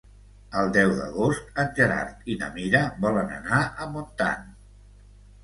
El deu d'agost en Gerard i na Mira volen anar a Montant.